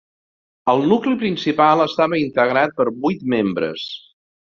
El nucli principal estava integrat per vuit membres.